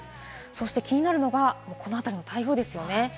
そして気になるのが、このあたりの台風ですよね。